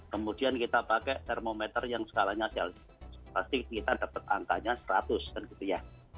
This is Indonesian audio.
kemudian kita pakai termometer yang skalanya pasti kita dapat angkanya seratus kan gitu ya